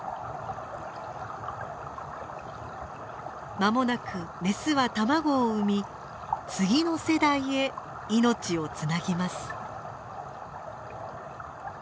間もなくメスは卵を産み次の世代へ命をつなぎます。